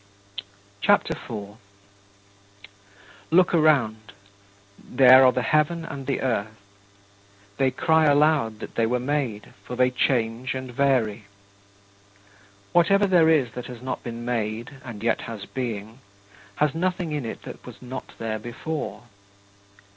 CHAPTER IV 6. Look around; there are the heaven and the earth. They cry aloud that they were made, for they change and vary. Whatever there is that has not been made, and yet has being, has nothing in it that was not there before.